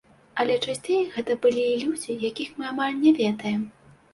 Але часцей гэта былі людзі, якіх мы амаль не ведаем.